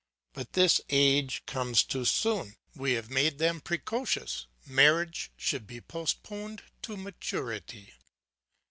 But this age comes too soon; we have made them precocious; marriage should be postponed to maturity.